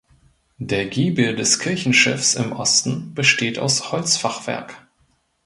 Der Giebel des Kirchenschiffs im Osten besteht aus Holzfachwerk.